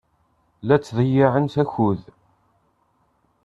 La ttḍeyyiɛent akud.